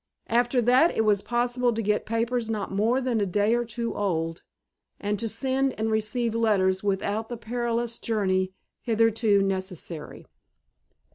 After that it was possible to get papers not more than a day or two old, and to send and receive letters without the perilous journey hitherto necessary.